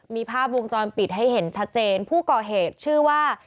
มีภาพวงจรปิดให้เห็นชัดเจนผู้ก่อเหตุชื่อว่า